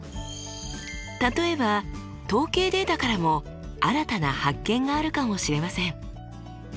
例えば統計データからも新たな発見があるかもしれません。